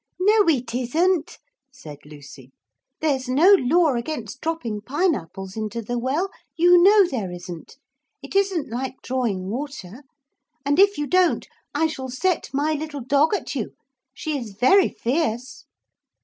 'No it isn't,' said Lucy; 'there's no law against dropping pine apples into the well. You know there isn't. It isn't like drawing water. And if you don't I shall set my little dog at you. She is very fierce.'